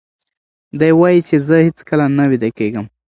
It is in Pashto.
دی وایي چې زه هیڅکله نه ویده کېږم.